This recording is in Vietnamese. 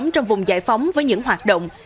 trong vùng giải phóng với những hoạt động